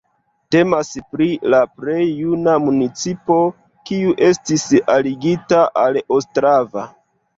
Temas pri la plej juna municipo, kiu estis aligita al Ostrava.